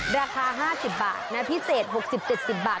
ราคา๕๐บาทนะพิเศษ๖๐๗๐บาท